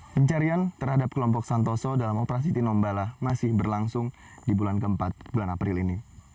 pencarian terhadap kelompok santoso dalam operasi tinombala masih berlangsung di bulan keempat bulan april ini